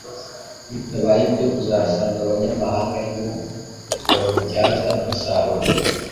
Bitabaye ibyo uzasanga abanyamahanga ari bo babubyaza umusaruro